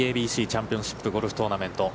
ＡＢＣチャンピオンシップゴルフトーナメント。